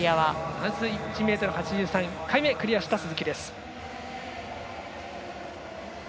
まず１ｍ８３１回目、クリアした鈴木です。